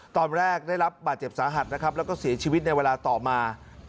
ตอนแรกได้รับบาดเจ็บสาหัสนะครับแล้วก็เสียชีวิตในเวลาต่อมา